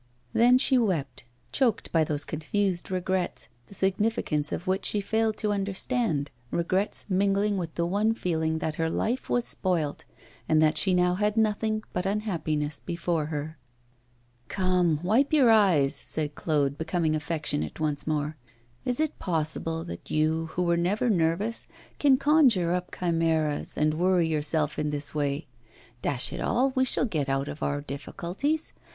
Then she wept, choked by those confused regrets, the significance of which she failed to understand, regrets mingling with the one feeling that her life was spoilt, and that she now had nothing but unhappiness before her. 'Come, wipe your eyes,' said Claude, becoming affectionate once more. 'Is it possible that you, who were never nervous, can conjure up chimeras and worry yourself in this way? Dash it all, we shall get out of our difficulties!